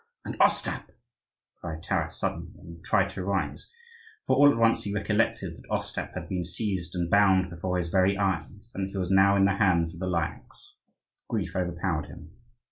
"And Ostap!" cried Taras suddenly, and tried to rise; for all at once he recollected that Ostap had been seized and bound before his very eyes, and that he was now in the hands of the Lyakhs. Grief overpowered him.